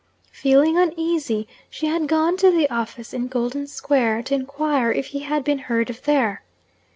Feeling uneasy, she had gone to the office in Golden Square, to inquire if he had been heard of there.